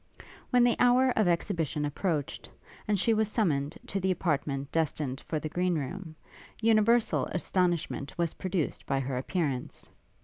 When the hour of exhibition approached, and she was summoned to the apartment destined for the green room, universal astonishment was produced by her appearance.